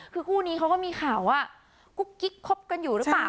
คือคู่นี้เขาก็มีข่าวว่ากุ๊กกิ๊กคบกันอยู่หรือเปล่า